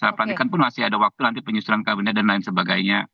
saya pelantikan pun masih ada waktu nanti penyusunan kabinet dan lain sebagainya